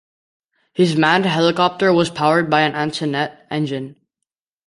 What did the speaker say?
His manned helicopter was powered by a Antoinette engine.